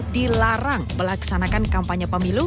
dilarang melaksanakan kampanye pemilu